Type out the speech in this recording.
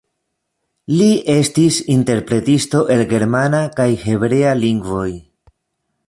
Li estis interpretisto el germana kaj hebrea lingvoj.